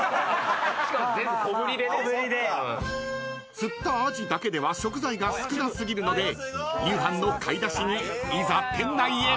［釣ったアジだけでは食材が少なすぎるので夕飯の買い出しにいざ店内へ］